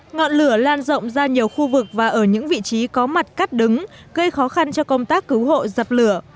ngọn lửa lan rộng ra nhiều khu vực và ở những vị trí có mặt cắt đứng gây khó khăn cho công tác cứu hộ dập lửa